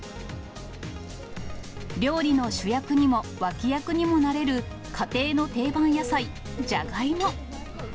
料理の主役にも、脇役にもなれる家庭の定番野菜、ジャガイモ。